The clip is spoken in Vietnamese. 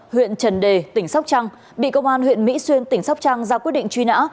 huyện trần đề tỉnh sóc trăng bị công an huyện mỹ xuyên tỉnh sóc trăng ra quyết định truy nã